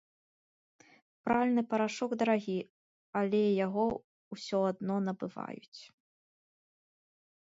Пральны парашок дарагі, але яго ўсё адно набываюць.